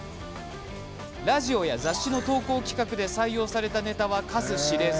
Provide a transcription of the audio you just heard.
ラジオや雑誌の投稿企画で採用されたネタは数知れず。